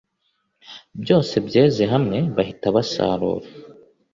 Byose byeze hamwe bahita basarura